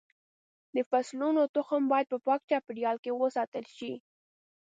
د فصلونو تخم باید په پاک چاپېریال کې وساتل شي.